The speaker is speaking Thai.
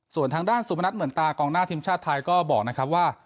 ส่วนทางด้านสุมนัทเหมือนตากองหน้าทีมชาติไทยก็บอกนะครับว่า